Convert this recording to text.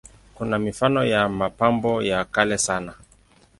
Kuna mifano ya mapambo ya kale sana.